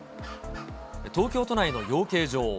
東京都内の養鶏場。